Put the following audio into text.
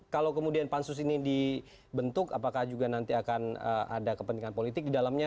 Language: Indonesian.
kalau kemudian pansus ini dibentuk apakah juga nanti akan ada kepentingan politik di dalamnya